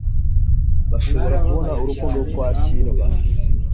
bashobora kubona urukundo kwakirwa